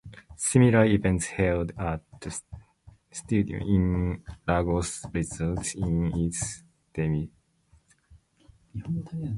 Similar events held at the Stadium in Lagos resulted in its demise.